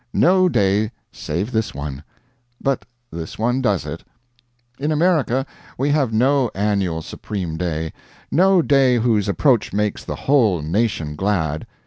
No day save this one; but this one does it. In America we have no annual supreme day; no day whose approach makes the whole nation glad.